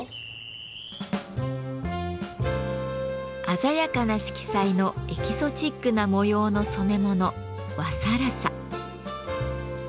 鮮やかな色彩のエキゾチックな模様の染め物「和更紗」。